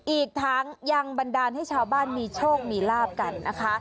อีกทั้งยังบันดาลให้ชาวบ้านมีโชคมีลาบกันนะคะ